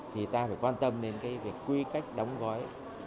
thì ta phải quan tâm đến cái việc quy cách đóng gói